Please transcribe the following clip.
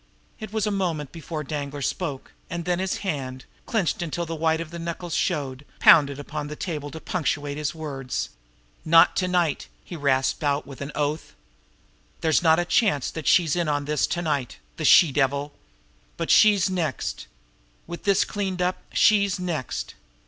It was a moment before Danglar spoke; and then his hand, clenched until the white of the knuckles showed, pounded upon the table to punctuate his words. "Not to night!" he rasped out with an oath. "There's not a chance that she's in on this to night the she devil! But she's next! With this cleaned up, she's next!